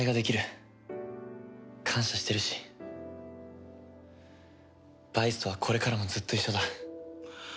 感謝してるしバイスとはこれからもずっと一緒だ。